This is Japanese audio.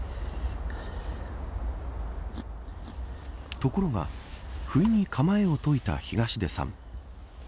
ところがふいに構えを解いた東出さん。